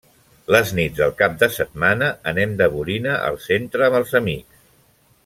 Les nits del cap de setmana anem de borina al centre amb els amics.